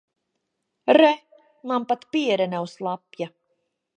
Re, man pat piere nav slapja.